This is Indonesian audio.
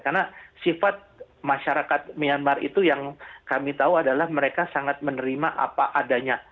karena sifat masyarakat myanmar itu yang kami tahu adalah mereka sangat menerima apa adanya